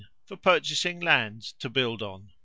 For purchasing lands to build on.